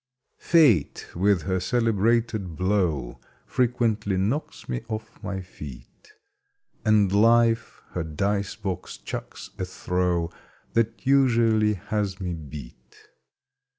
Fate with her celebrated blow Frequently knocks me off my feet; And Life her dice box chucks a throw That usually has me beat.